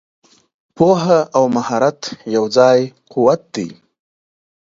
پوهه او مهارت یو ځای قوت دی.